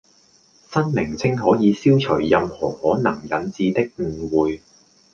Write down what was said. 新名稱可以消除任何可能引致的誤會